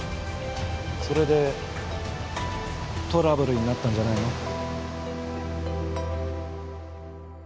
それでトラブルになったんじゃないの？